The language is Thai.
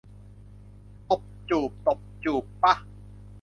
ตบจูบ ตบจูบ ปะ